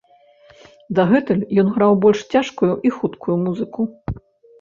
Дагэтуль ён граў больш цяжкую і хуткую музыку.